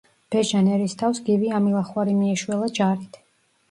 ბეჟან ერისთავს გივი ამილახვარი მიეშველა ჯარით.